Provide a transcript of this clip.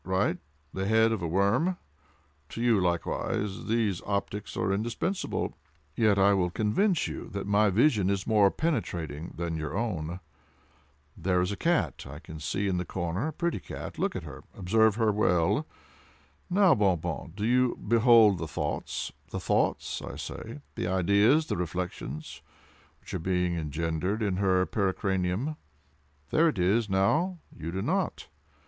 —right—the head of a worm. To you, likewise, these optics are indispensable—yet I will convince you that my vision is more penetrating than your own. There is a cat I see in the corner—a pretty cat—look at her—observe her well. Now, Bon Bon, do you behold the thoughts—the thoughts, I say,—the ideas—the reflections—which are being engendered in her pericranium? There it is, now—you do not!